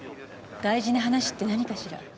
大事な話って何かしら？